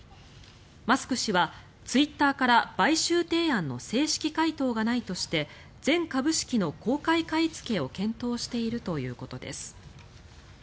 マスク氏はツイッターから買収提案の正式回答がないとして全株式の公開買いつけを検討しているということです。